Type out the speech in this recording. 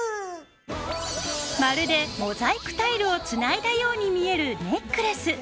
まるでモザイクタイルをつないだように見えるネックレス。